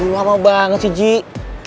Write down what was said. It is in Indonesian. lama banget sih gio